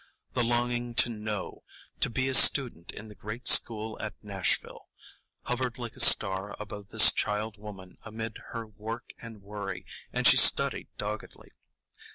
The longing to know, to be a student in the great school at Nashville, hovered like a star above this child woman amid her work and worry, and she studied doggedly.